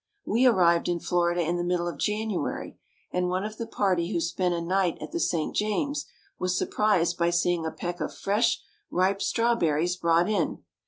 We arrived in Florida in the middle of January; and one of the party who spent a night at the St. James was surprised by seeing a peck of fresh, ripe strawberries brought in.